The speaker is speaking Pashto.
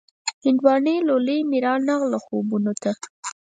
هندواڼۍ لولۍ مې را نغله خوبو ته